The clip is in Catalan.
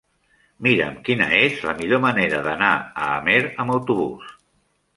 Mira'm quina és la millor manera d'anar a Amer amb autobús.